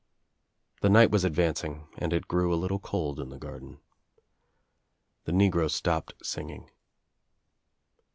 The night was advancing and it grew a little cold in the garden. The negro stopped singing.